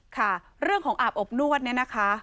ค่ะเรื่องของอาบอบนวดเนี่ยนะคะ